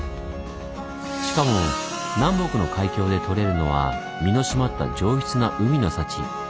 しかも南北の海峡で取れるのは身の締まった上質な海の幸。